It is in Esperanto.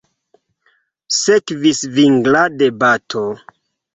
Sekvis vigla debato.